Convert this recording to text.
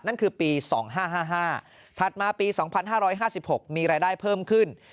นั่นคือปี๒๕๕๕ถัดมาปี๒๕๕๖มีรายได้เพิ่มขึ้น